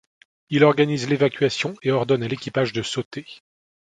Il organise l'évacuation et ordonne à l'équipage de sauter.